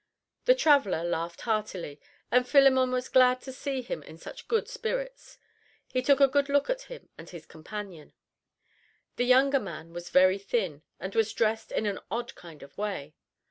The traveler laughed heartily, and Philemon was glad to see him in such good spirits. He took a good look at him and his companion. The younger man was very thin, and was dressed in an odd kind of way.